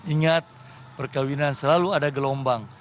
ingat perkawinan selalu ada gelombang